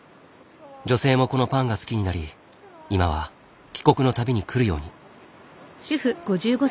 女性もこのパンが好きになり今は帰国の度に来るように。